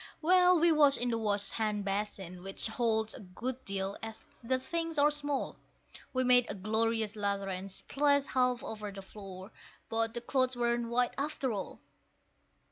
Well, we washed in the wash hand basin, which holds a good deal, as the things are small; We made a glorious lather, and splashed half over the floor; but the clothes weren't white after all.